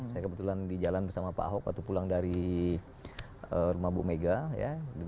saya kebetulan di jalan bersama pak ahok waktu pulang dari rumah bu mega ya